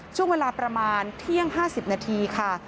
ช่วงเวลาประมาณเที่ยง๕๐นาทีค่ะ